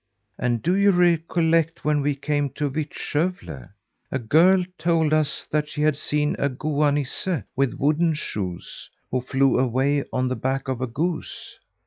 And do you recollect when we came to Vittskövle, a girl told us that she had seen a Goa Nisse with wooden shoes, who flew away on the back of a goose?